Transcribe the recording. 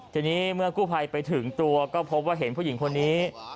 ทีนี้เมื่อกู้ภัยไปถึงตัวก็พบว่าเห็นผู้หญิงคนนี้